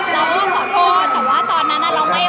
เราก็ขอโทษแต่ว่าตอนนั้นเราไม่